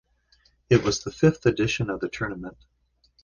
It was the fifth edition of the tournament.